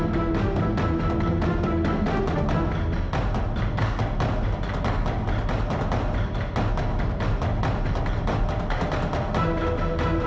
kalau masih panggilan